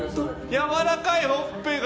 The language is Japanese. やわらかい、ほっぺが。